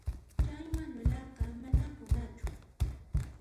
Chay Manuelqa manam runachu.